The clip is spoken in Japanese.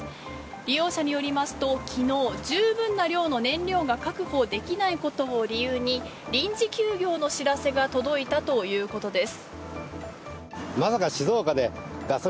利用者によりますと昨日、十分な量の燃料を確保できないことを理由に臨時休業の知らせが届いたということです。